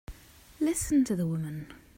Listen to the woman!